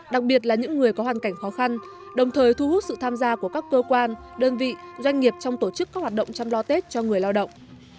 đặc biệt là những người có hoàn cảnh khó khăn đồng thời thu hút sự tham gia của các cơ quan đơn vị doanh nghiệp trong tổ chức các hoạt động chăm lo tết cho người lao động